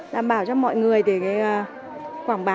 đảm bảo cho mọi người để quảng bá